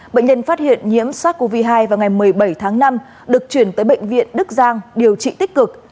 bệnh nhân phát hiện nhiễm sars cov hai vào ngày một mươi bảy tháng năm được chuyển tới bệnh viện đức giang điều trị tích cực